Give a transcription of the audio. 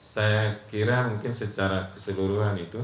saya kira mungkin secara keseluruhan itu